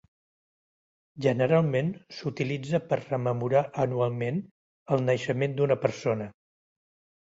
Generalment s'utilitza per rememorar anualment el naixement d'una persona.